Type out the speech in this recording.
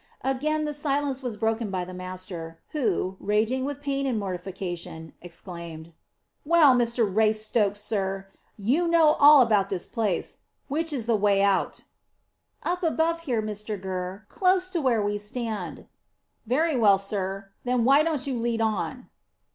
Again the silence was broken by the master, who raging with pain and mortification, exclaimed, "Well, Mr Raystoke, sir, you know all about this place; which is the way out?" "Up above here, Mr Gurr, close to where we stand." "Very well, sir; then why don't you lead on?"